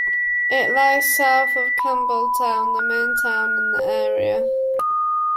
It lies south of Campbeltown, the main town in the area.